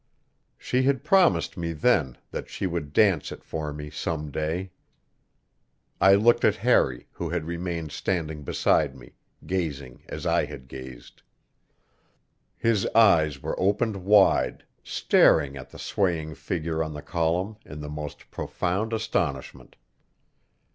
She had promised me then that she would dance it for me some day I looked at Harry, who had remained standing beside me, gazing as I had gazed. His eyes were opened wide, staring at the swaying figure on the column in the most profound astonishment.